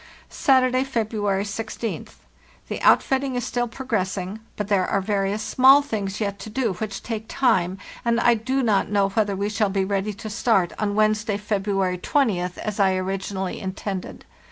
"Saturday, February 16th. The outfitting is_ still progressing; but there are various small things yet to do which take time, and I do not know whether we shall be ready to start on Wednesday, February 2oth, as I LOWER END OF SUPPER TABLE THE NEW YEAR, 1895 89 originally intended.